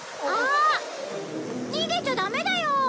あ逃げちゃダメだよ！